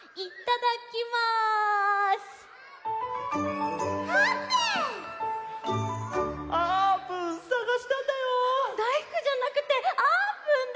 だいふくじゃなくてあーぷんだ！